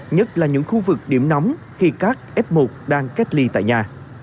nhất là những khu vực điểm nóng khi các f một đang cách ly tại nhà